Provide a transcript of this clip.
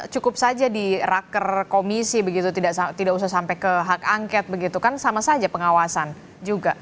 cukup saja di raker komisi begitu tidak usah sampai ke hak angket begitu kan sama saja pengawasan juga